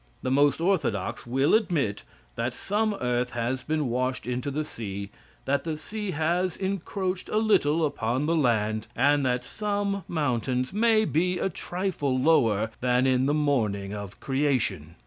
The most orthodox will admit that some earth has been washed into the sea, that the sea has encroached a little upon the land, and that some mountains may be a trifle lower than in the morning of creation.